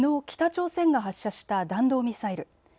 北朝鮮が発射した弾道ミサイル。